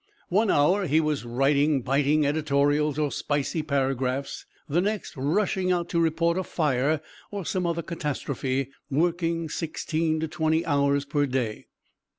One hour he was writing biting editorials or spicy paragraphs; the next rushing out to report a fire or some other catastrophe, working sixteen to twenty hours per day.